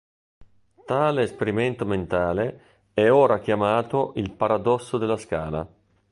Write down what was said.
Tale esperimento mentale è ora chiamato il paradosso della scala.